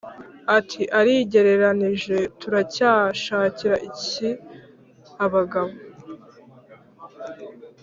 ati “Arigereranije Turacyashakira iki abagabo